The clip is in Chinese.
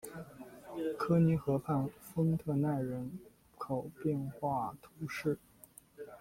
科尼河畔丰特奈人口变化图示